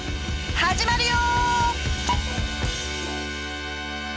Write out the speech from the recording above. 始まるよ！